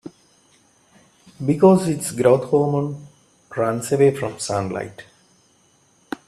Because its growth hormone runs away from sunlight.